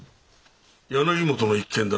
柳本の一件だな？